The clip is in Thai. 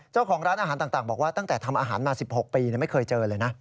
เจ้าของร้านอาหารต่างบอกว่าตั้งแต่ทำอาหารมา๑๖ปีไม่เคยเจอเลยนะ